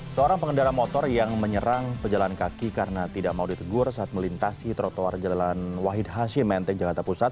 seorang pengendara motor yang menyerang pejalan kaki karena tidak mau ditegur saat melintasi trotoar jalan wahid hashim menteng jakarta pusat